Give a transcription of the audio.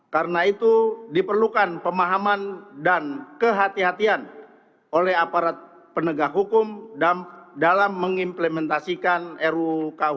karena itu diperlukan pemahaman dan kehatian kehatian oleh aparat penegak hukum dalam mengimplementasikan ru kuhp ini